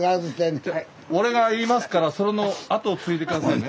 俺が言いますからそれのあとをついで下さいね。